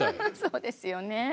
そうですよね。